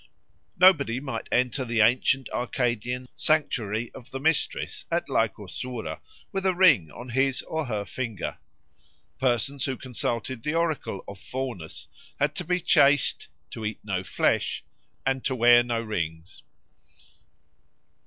Nobody might enter the ancient Arcadian sanctuary of the Mistress at Lycosura with a ring on his or her finger. Persons who consulted the oracle of Faunus had to be chaste, to eat no flesh, and to wear no rings.